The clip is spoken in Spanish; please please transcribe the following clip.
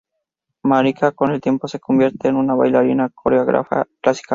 Marika con el tiempo se convierte en una bailarina y coreógrafa clásica.